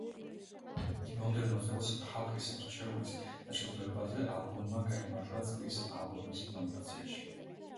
მომდევნო წელს ხალხის რჩეულის დაჯილდოებაზე ალბომმა გაიმარჯვა წლის ალბომის ნომინაციაში.